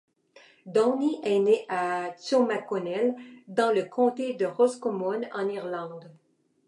Downey est né à Taughmaconnell dans le Comté de Roscommon en Irlande.